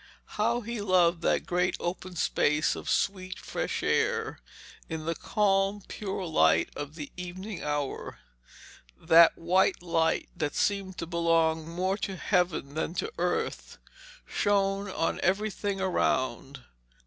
How he loved that great open space of sweet fresh air, in the calm pure light of the evening hour. That white light, which seemed to belong more to heaven than to earth, shone on everything around.